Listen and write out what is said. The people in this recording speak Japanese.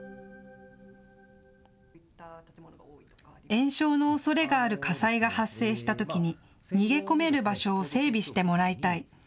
延焼のおそれがある火災が発生したときに逃げ込める場所を整備してもらいたい。